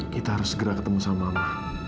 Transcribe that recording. kita harus segera ketemu sama mama